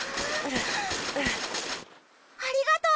ありがとう！